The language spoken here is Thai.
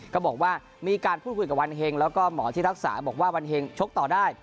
ก็บอกว่ามีการพูดคุยกับวันเฮงแล้วก็หมอที่รักษาบอกว่าวันเฮงชกต่อได้